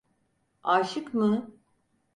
Aşık mı?